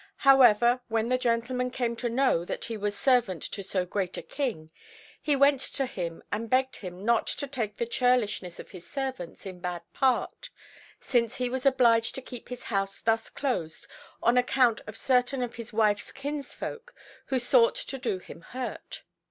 However, when the gentleman came to know that he was servant to so great a King, he went to him and begged him not to take the churlishness of his servants in bad part, since he was obliged to keep his house thus closed on account of certain of his wife's kinsfolk who sought to do him hurt.